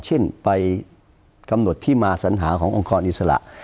เช่นไปกำหนดที่มาสัญหาขององค์กรอิสระ